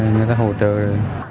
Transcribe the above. người ta hỗ trợ rồi